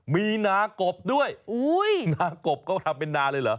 มีนากบด้วยนากบก็ทำเป็นนาเลยเหรอ